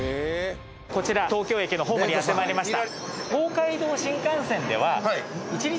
こちら東京駅のホームにやってまいりました。